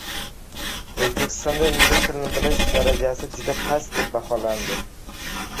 O‘zbekistonda ingliz tilini bilish darajasi «juda past» deb baholandi